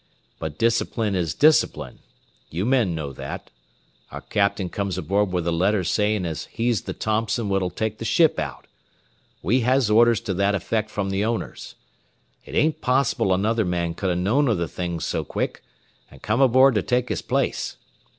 But discipline is discipline. You men know that. Our captain comes aboard with a letter sayin' as he's the Thompson what'll take the ship out. We has orders to that effect from the owners. It ain't possible another man could have known o' the thing so quick, and come aboard to take his place.